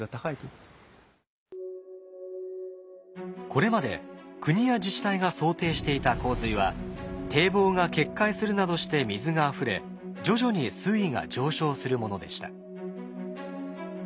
これまで国や自治体が想定していた洪水は堤防が決壊するなどして水があふれ徐々に水位が上昇するものでした。